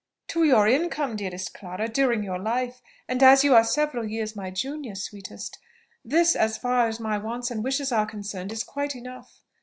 "To your income, dearest Clara, during your life; and as you are several years my junior, sweetest! this, as far as my wants and wishes are concerned, is quite enough.